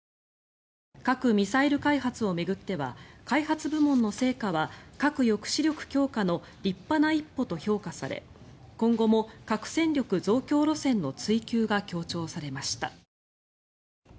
核・ミサイル開発を巡っては開発部門の成果は核抑止力強化の立派な一歩と評価され今後も核戦力増強路線の追求が強調されました。